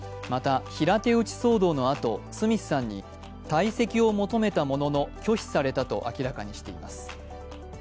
また、平手打ち騒動のあと、スミスさんに退席を求めたものの拒否されたと明らかにしています。